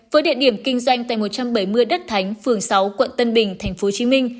với địa điểm kinh doanh tại một trăm bảy mươi đất thánh phường sáu quận tân bình tp hcm